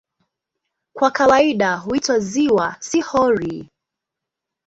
Kwa kawaida huitwa "ziwa", si "hori".